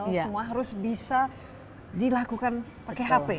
semua harus bisa dilakukan pakai hp